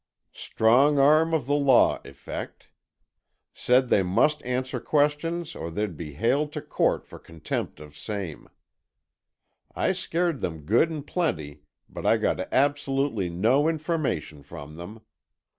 "Strong arm of the law effect. Said they must answer questions or they'd be haled to court for contempt of same. I scared them good and plenty but I got absolutely no information from them.